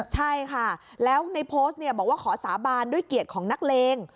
ใช่ค่ะแล้วในโพสต์บอกว่าขอสาบานด้วยเกียรติของนักเลง